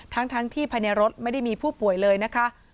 ทั้งที่ภายในรถไม่ได้มีผู้ป่วยเลยนะคะ